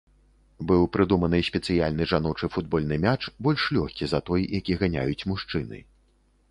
Быў прыдуманы спецыяльны жаночы футбольны мяч, больш лёгкі за той, які ганяюць мужчыны.